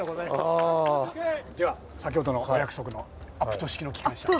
では先ほどのお約束のアプト式の機関車。